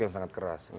yang sangat keras